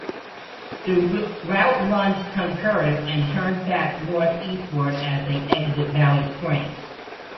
The route run concurrent and turn back northeastward as they exit Valley Springs.